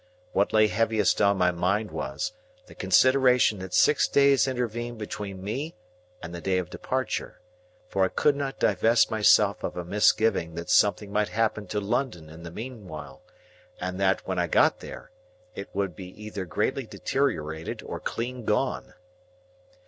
What lay heaviest on my mind was, the consideration that six days intervened between me and the day of departure; for I could not divest myself of a misgiving that something might happen to London in the meanwhile, and that, when I got there, it would be either greatly deteriorated or clean gone.